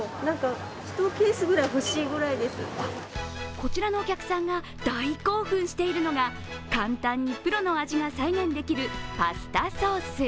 こちらのお客さんが大興奮しているのが簡単にプロの味が再現できるパスタソース。